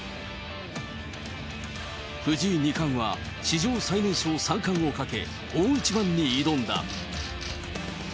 藤井二冠は、史上最年少三冠をかけ、大一番に挑んだ。